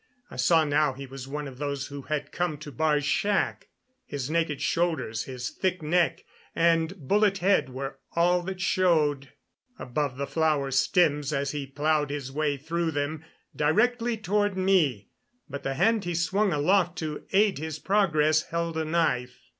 I saw now he was one of those who had come to Baar's shack. His naked shoulders, his thick neck, and bullet head were all that showed above the flower stems as he plowed his way through them directly toward me; but the hand he swung aloft to aid his progress held a knife.